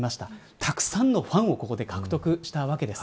たくさんのファンをここで獲得したわけです。